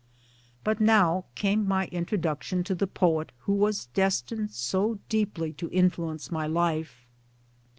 But now came my introduction to the poet who was destined so deeply to influence my life.